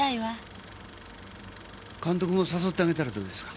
監督も誘ってあげたらどうですか？